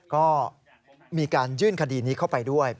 ก็มีการยื่นคดีนี้เข้าไปด้วย